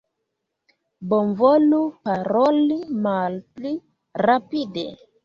Bonvolu paroli malpli rapide!